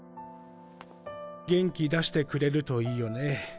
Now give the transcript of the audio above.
元気出してくれるといいよね。